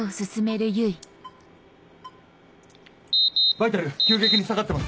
バイタル急激に下がってます。